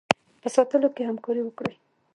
په ساتلو کې همکاري وکړي.